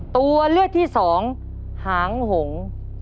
ตัวเลือกที่สองหางหง